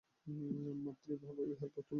মাতৃভাবই ইহার প্রথম ও শেষ কথা।